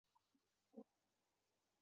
在建设当时成巽阁名为巽御殿。